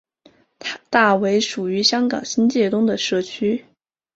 大围属于香港新界东的社区。